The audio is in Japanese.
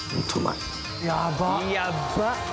やばっ！